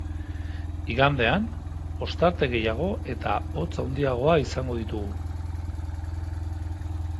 Igandean, ostarte gehiago eta hotz handiagoa izango ditugu.